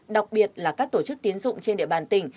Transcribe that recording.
đặc biệt là các tổ chức tiến dụng trên địa bàn tỉnh